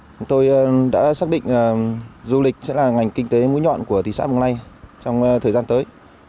chúng tôi đã xác định du lịch sẽ là ngành kinh tế mũi nhọn của thị xã mường lây trong thời gian tới